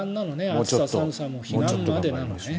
暑さ寒さも彼岸までなのね。